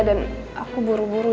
dan aku buru buru